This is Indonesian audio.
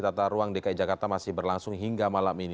tata ruang dki jakarta masih berlangsung hingga malam ini